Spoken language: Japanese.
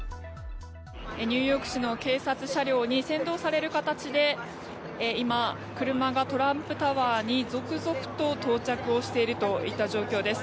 ニューヨーク市の警察車両に先導される形で今、車がトランプタワーに続々と到着をしているといった状況です。